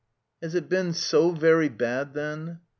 "Has it been so very bad then?"